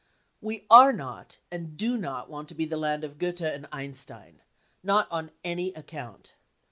" We are not and do not want to be the land of Goethe and Einstein. Not on any account.